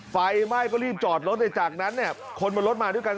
ไฟไหม้ก็รีบจอดรถเลยจากนั้นเนี่ยคนบนรถมาด้วยกัน